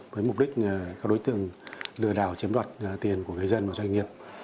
với mục đích các đối tượng lừa đảo chiếm đoạt tiền của người dân và doanh nghiệp